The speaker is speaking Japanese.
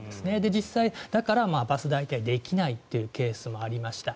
実際、だからバス代替できないということもありました。